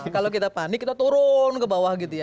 kalau kita panik kita turun ke bawah gitu ya